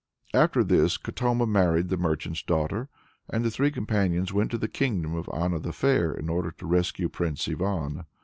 After this Katoma married the merchant's daughter, and the three companions went to the kingdom of Anna the Fair in order to rescue Prince Ivan.